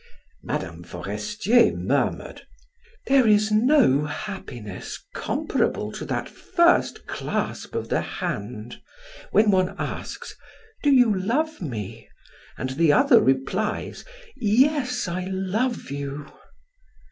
Mme. Forestier murmured: "There is no happiness comparable to that first clasp of the hand, when one asks: 'Do you love me?' and the other replies: 'Yes, I love you.'"